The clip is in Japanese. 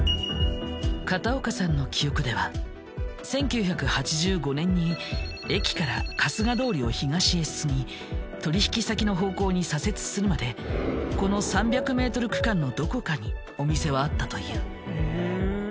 片岡さんの記憶では１９８５年に駅から春日通りを東へ進み取引先の方向に左折するまでこの３００ｍ区間のどこかにお店はあったという。